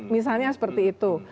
misalnya seperti itu